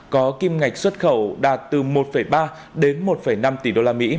có kim ngạch xuất khẩu đạt từ một ba đến một năm tỷ usd